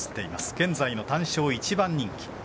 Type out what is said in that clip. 現在の単勝１番人気。